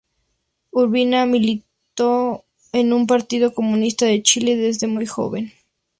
Urbina militó en el Partido Comunista de Chile desde muy joven.